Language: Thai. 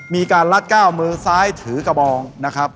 มีการลัดก้าวมือซ้ายถือกระบองนะครับ